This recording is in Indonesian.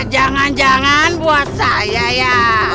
jangan jangan buat saya ya